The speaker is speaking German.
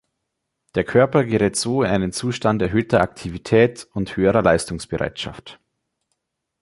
Der Körper gerät so in einen Zustand erhöhter Aktivität und höherer Leistungsbereitschaft.